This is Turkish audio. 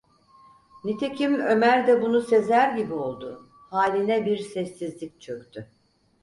Nitekim Ömer de bunu sezer gibi oldu, haline bir sessizlik çöktü…